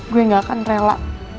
gue gak akan rela